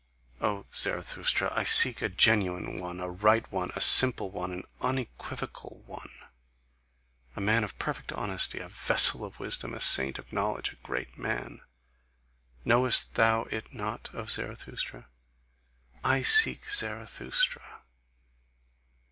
O Zarathustra, I seek a genuine one, a right one, a simple one, an unequivocal one, a man of perfect honesty, a vessel of wisdom, a saint of knowledge, a great man! Knowest thou it not, O Zarathustra? I SEEK ZARATHUSTRA."